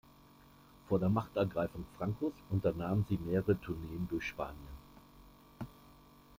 Vor der Machtergreifung Francos unternahm sie mehrere Tourneen durch Spanien.